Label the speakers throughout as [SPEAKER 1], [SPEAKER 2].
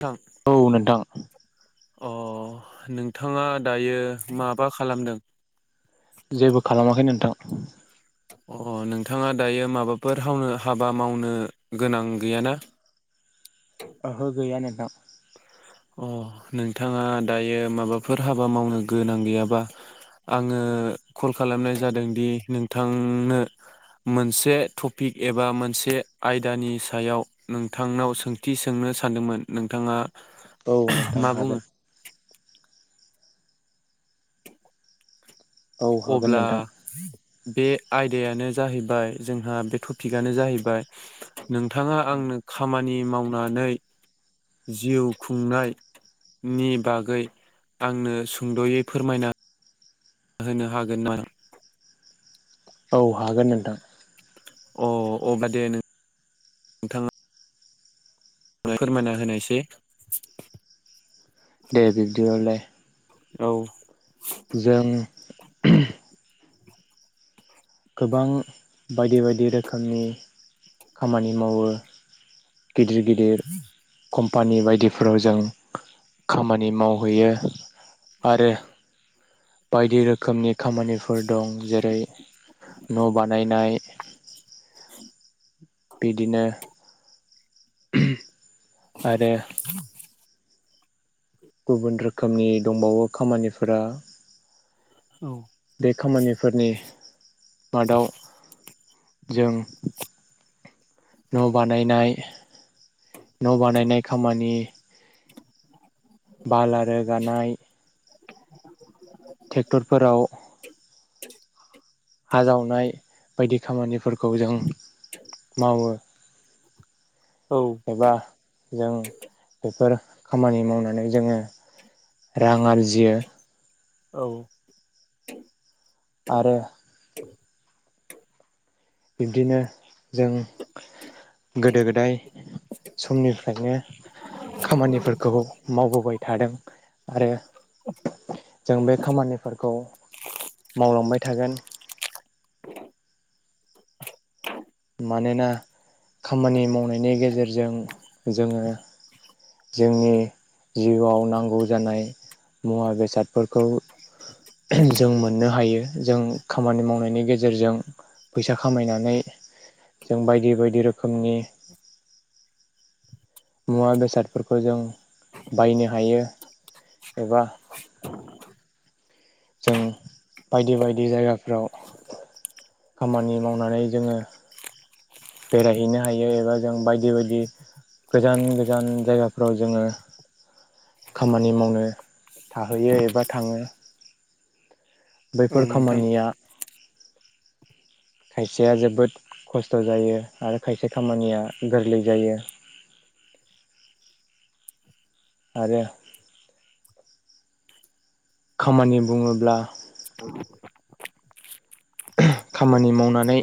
[SPEAKER 1] औ
[SPEAKER 2] औ नोंथां
[SPEAKER 1] अ नोंथाङा दायो माबा खालामदों?
[SPEAKER 2] जेबो खालामाखै नोंथां ।
[SPEAKER 1] अ नोंथाङा दायो माबाफोर हावनो हाबा मावनो गोनां गैयाना?
[SPEAKER 2] ओ
[SPEAKER 1] अ नोंथाङा दायो माबाफोर हाबा मावनो गोनां गैयाबा आङो कल खालामनाय जादोंदि नोंथांनो मोनसे टपिक एबा मोनसे आयदानि सायाव नोंथांनाव सोंथि सोंनो सानदोंमोन नोंथाङा
[SPEAKER 2] औ नोंथां
[SPEAKER 1] मा बुङो
[SPEAKER 2] हागोन । औ हागोन
[SPEAKER 1] अब्ला
[SPEAKER 2] नोंथां
[SPEAKER 1] बे आयदायानो जाहैबाय जोंहा बे टपिकआनो जाहैबाय नोंथाङा आंनो खामानि मावनानै जिउ खुंनायनि बागै आंनो सुंद'यै फोरमायना होनो हागोन नामा?
[SPEAKER 2] औ हागोन नोंथां ।
[SPEAKER 1] अ अब्ला दे नों नोंथाङा । फोरमायना होनायसै
[SPEAKER 2] दे बिब्दिबालाय
[SPEAKER 1] औ
[SPEAKER 2] जों गोबां बायदि बायदि रोखोमनि खामानि मावो । गिदिर गिदिर कम्पानि बायदिफोराव जों खामानि मावहैयो आरो बायदि रोखोमनि खामानिफोर दं जेरै न' बानायना नाय बिदिनो आरो गुबुन रोखोमनि दंबावो खामानिफोरा बे खामानिफोरनि मादाव जों न' बानायनाय न' बानायनाय खामानि बाला रोगानाय ट्रेक्टरफोराव हा जावनाय बायदि खामानिफोरखौ जों मावो
[SPEAKER 1] औ
[SPEAKER 2] एबा जों बेफोर खामानि मावनानै जोङो रां आरजियो
[SPEAKER 1] औ
[SPEAKER 2] आरो बिब्दिनो जों गोदो गोदाय समनिफ्रायनो खामानिफोरखौ मावबोबाय थादों आरो जों बे खामानिफोरखौ मावलांबाय थागोन । मानोना खामानि मावनायनि गेजेरजों जोङो जोंनि जिउआव नांगौ जानाय मुवा बेसादफोरखौ जों मोननो हायो जों खामानि मावनायनि गेजेरजों फैसा खामायनानै जों बायदि बायदि रोखोमनि मुवा बेसादफोरखौ जों बायनो हायो एबा जों बायदि बायदि जायगाफ्राव खामानि मावनानै जोङो बेरायहैनो हायो एबा जों बायदि बायदि गोजान गोजान जायगाफ्राव जोङो खामानि मावनो थाहैयो एबा थाङो बैफोर
[SPEAKER 1] नोंथां
[SPEAKER 2] खामानिया खायसेया जोबोद खस्थ जायो आरो खायसे खामानिया गोरलै जायो आरो खामानि बुङोब्ला खामानि मावनानै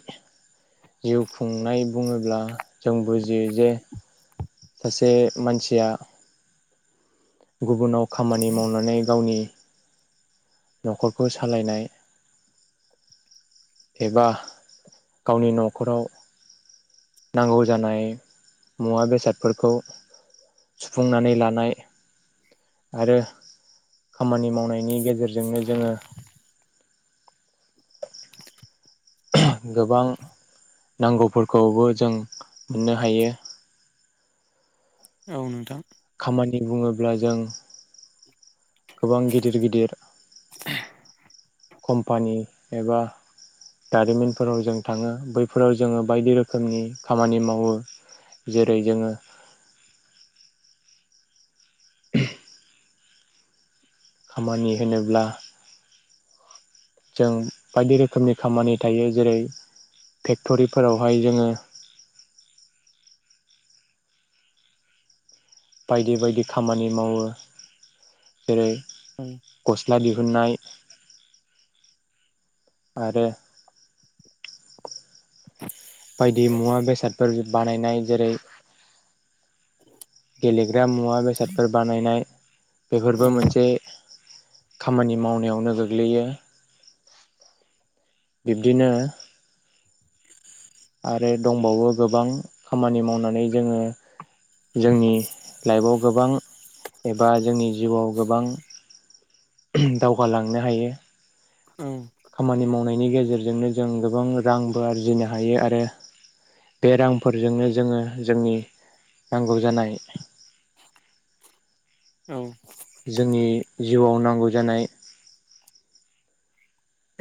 [SPEAKER 2] जिउ खुंनाय बुङोब्ला जों बुजियो जे सासे मानसिया गुबुनाव खामानि मावनानै गावनि नखरखौ सालायनाय एबा गावनि नखराव नांगौ जानाय मुवा बेसादफोरखौ सुफुंनानै लानाय आरो खामानि मावनायनि गेजेरजों जोंनो जोङो गोबां नांगौफोरखौबो जों मोननो हायो
[SPEAKER 1] औ नोंथां
[SPEAKER 2] खामानि बुङोब्ला जों गोबां गिदिर गिदिर कम्पानि एबा दारिमिनफोराव जों थाङो बैफोराव जोङो बायदि रोखोमनि खामानि मावो जेरै जोङो [inaudible] खामानि होनोब्ला जों बायदि रोखोमनि खामानि थायो जेरै फेक्टरिफोरावहाय जोङो बायदि बायदि खामानि मावो जेरै
[SPEAKER 1] औ
[SPEAKER 2] गस्ला दिहुननाय आरो
[SPEAKER 1] [unintelligible]
[SPEAKER 2] बिदि मुवा बेसादफोर बानायनाय जेरै । गेलेग्रा मुवा बेसादफोर बानायनाय
[SPEAKER 1] औ
[SPEAKER 2] बेफोरबो मोनसे खामानि मावनायावनो गोग्लैयो । बिब्दिनो आरो दंबावो गोबां खामानि मावनानै जोङो जोंनि लाइफआव गोबां एबा जोंनि जिउआव गोबां दावगालांनो हायो । खामानि मावनायनि गेजेरजोंनो जों गोबां रांबो आरजिनो हायो आरो बे रांफोरजोंनो जोङो जोंनि नांगौ जानाय
[SPEAKER 1] औ।
[SPEAKER 2] जोंनि जिउआव नांगौ जानाय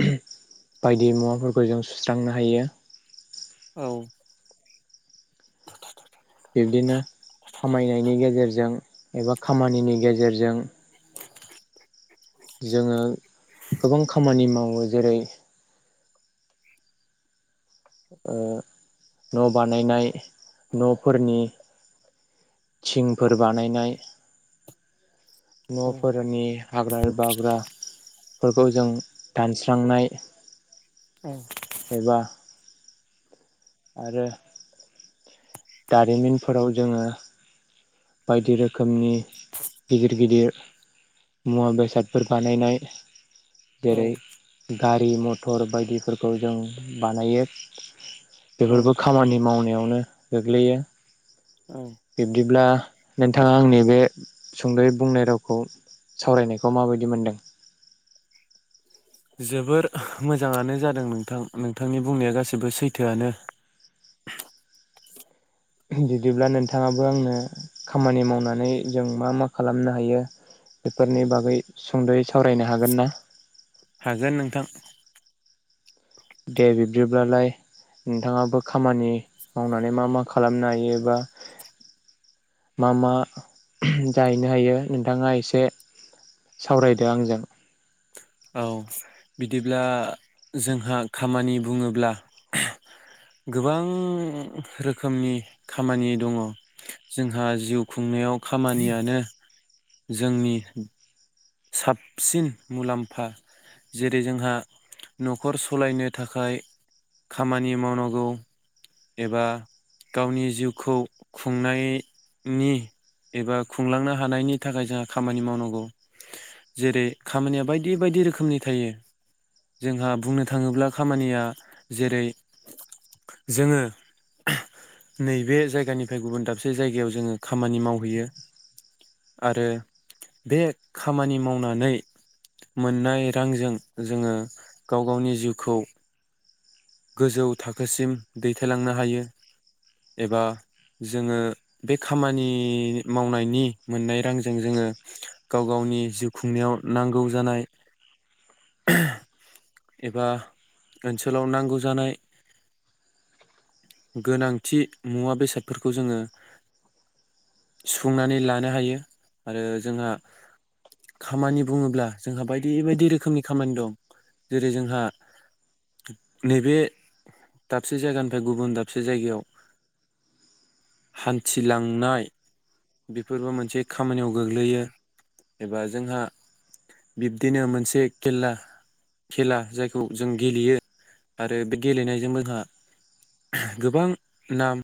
[SPEAKER 2] बायदि मुवाफोरखौ जों सुस्रांनो हायो । बिब्दिनो खामायनायनि गेजेरजों एबा खामानिनि गेजेरजों जोङो गोबां खामानि मावो जेरै ओ न बानायनाय न फोरनि थिंफोर बानायनाय
[SPEAKER 1] औ
[SPEAKER 2] नफोरनि हाग्रा बाग्रा फोरखौ जों दानस्रांनाय
[SPEAKER 1] औ।
[SPEAKER 2] एबा आरो दारिमिनफोराव जोङो बायदि रोखोमनि गिदिर गिदिर मुवा बेसादफोर बानायनाय ।
[SPEAKER 1] औ
[SPEAKER 2] जेरै गारि मथ ट'र बायदिफोरखौ जों बानायो । बेफोरबो खामानि मावनायाव नो गोग्लैयो
[SPEAKER 1] औ
[SPEAKER 2] । बिब्दिब्ला नोंथाङा आंनि बे सुंदयै बुंनाय रावखौ सावरायनायखौ माबायदि मोनदों?
[SPEAKER 1] जोबोर मोजाङानो जादों नोंथां नोंथांनि बुंनाया गाससिबो सैथोआनो ।
[SPEAKER 2] बिदिब्ला नोंथाङाबो आंनो खामानि मावनानै जों मा मा खालामनो हायो बेफोरनि बागै सुंदयै सावरायनो हागोन ना?
[SPEAKER 1] हागोन नोंथां ।
[SPEAKER 2] दे बिबदिब्लालाय नोंथाङाबो खामानि मावनानै मा मा खालामनो हायो बा मा मा जाहैनो हायो नोंथाङा एसे सावरायदो आंजों ।
[SPEAKER 1] औ बिदिब्ला जोंहा खामानि बुङोब्ला गोबां रोखोमनि खामानि दङ जोंहा जिउ खुंनायाव खामानियानो जोंनि साबसिन मुलाम्फा जेरै जोंहा नखर सालायनो थाखाय खामानि मावनांगौ एबा गावनि जिउखौ खुंनायनि एबा खुंलांनो हानायनि थाखाय जोंहा खामानि मावनांगौ । जेरै खामानिया बायदि बायदि रोखोमनि थायो जोंहा बुंनो थाङोब्ला खामानिया जेरै जोङो नैबे जायगानिफ्राय गुबुन दाबसे जायगायाव जोङो खामानि मावहैयो आरो बे खामानि मावनानै मोननाय रांजों जोङो गाव गावनि जिउखौ गोजौ थाखोसिम दैथायलांनो हायो एबा जोङो बे खामानि मावनायनि मोननाय रांजों जोङो गाव गावनि जिउ खुंनायाव नांगौ जानाय एबा ओनसोलाव नांगौ जानाय गोनांथि मुवा बेसादफोरखौ जोङो सुफुंनानै लानो हायो आरो जोंहा खामानि बुङोब्ला जोंहा बायदि बायदि रोखोमनि खामानि दं जेरै जोंहा नैबे दाबसे जायगानिफ्राय गुबुन दाबसे जायगायाव हान्थिलांनाय बेफोरबो मोनसे खामानियाव गोग्लैयो । एबा जोंहा बिब्दिनो मोनसे खेला खेला जायखौ जों गेलेयो आरो बे गेलेनायजों जोंहा गोबां नाम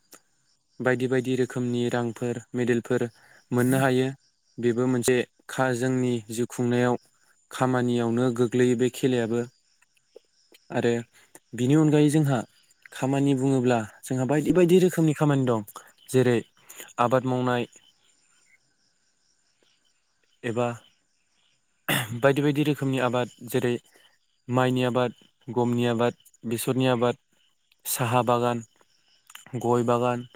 [SPEAKER 1] बायदि बायदि रोखोमनि रांफोर मेडेलफोर मोननो हायो बेबो मोनसे खा जोंनि जिउ खुंनायाव खामानियावनो गोग्लैयो बे खेलायाबो आरो बिनि अनगायै जोंहा खामानि बुङोब्ला जोंहा बायदि बायदि रोखोमनि खामानि दं । जेरै आबाद मावनाय एबा बायदि बायदि रोखोमनि आबाद जेरै माइनि आबाद, गमनि आबाद, बेसरनि आबाद, साहा बागान, गय बागान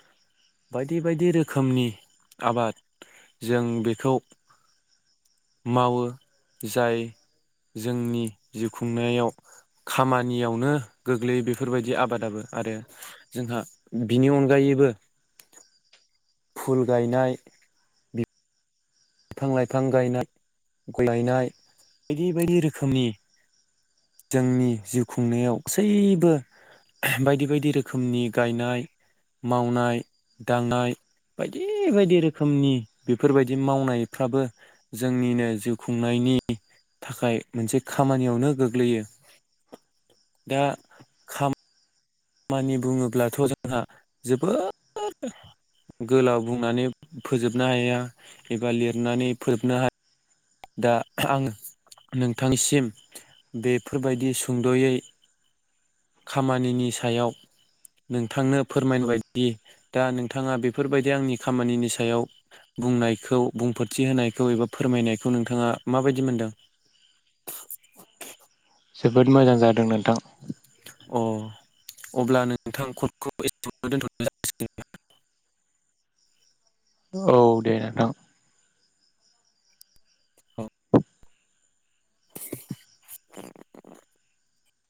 [SPEAKER 1] बायदि बायदि रोखोमनि आबाद जों बेखौ मावो जाय जोंनि जिउ खुंनायाव खामानियावनो गोग्लैयो बेफोरबायदि आबादाबो आरो जोंहा बिनि अनगायैबो फुल गायनाय बिफ फां लाइफां गायनाय, गय गायनाय बायदि बायदि रोखोमनि जोंनि जिउ खुंनायाव गासैबो बायदि बायदि रोखोमनि गायनाय मावनाय दांनाय बायदि बायदि रोखोमनि बेफोरबायदि मावनाय फ्राबो जोंनिनो जिउ खुंनायनि थाखाय मोनसे खामानियावनो गोग्लैयो । दा खाम मानि बुङोब्लाथ' जोंहा जोबोद गोलाव बुंनानै फोजोबनो हाया एबा लिरनानै फोजोबनो हा दा आं नोंथांसिम बेफोरबायदि सुंद'यै खामानिनि सायाव नोंथांनो फोरमायबायदि दा नोंथाङा बेफोरबादि आंनि खामानिनि सायाव बुंनायखौ बुंफोरथि होनायखौ एबा फोरमायनाय खौ‌ नोंथाङा माबायदि मोनदों
[SPEAKER 2] जोबोद मोजां जादों नोंथां
[SPEAKER 1] अ अब्ला नोंथां कदखौ एसे दोनथ'नाय जासिगोन
[SPEAKER 2] औ दे नोंथां
[SPEAKER 1] जाबाय। [unintelligible]